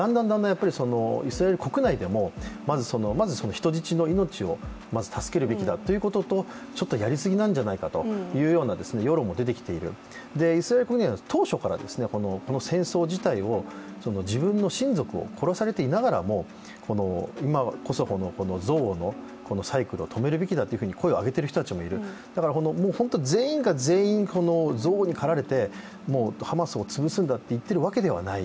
やっぱりイスラエル国内でも人質の命をまず助けるべきだということとちょっとやりすぎなんじゃないかという世論も出てきている、イスラエル国内では当初から戦争自体を自分の親族を殺されていながらも今こそ憎悪のサイクルを止めるべきだという声をあげている人たちもいる、全員が全員、憎悪にかられてハマスを潰すんだと言っているわけではない。